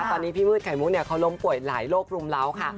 ตอนนี้พี่มืดไขมุกเนี่ยเขารมป่วยหลายโรค